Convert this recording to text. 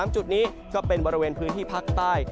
จุดนี้ก็เป็นบริเวณพื้นที่ภาคใต้